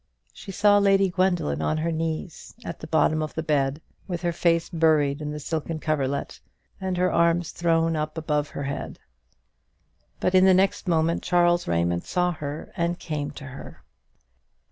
She saw Lady Gwendoline on her knees at the bottom of the bed, with her face buried in the silken coverlet, and her arms thrown up above her head; but in the next moment Charles Raymond saw her, and came to her.